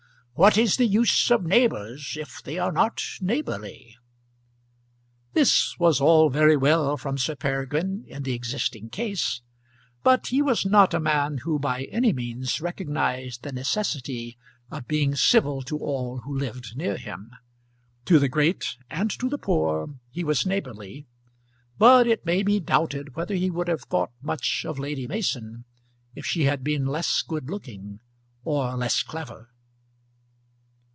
"What is the use of neighbours if they are not neighbourly?" This was all very well from Sir Peregrine in the existing case; but he was not a man who by any means recognised the necessity of being civil to all who lived near him. To the great and to the poor he was neighbourly; but it may be doubted whether he would have thought much of Lady Mason if she had been less good looking or less clever.